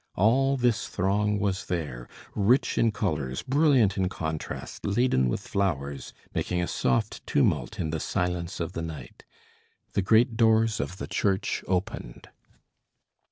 All this throng was there, rich in colors, brilliant in contrast, laden with flowers, making a soft tumult in the silence of the night. The great doors of the church opened.